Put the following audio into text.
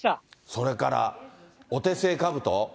それからお手製かぶと。